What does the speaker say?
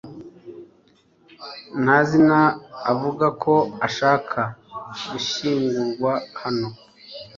Ntazina avuga ko ashaka gushyingurwa hano .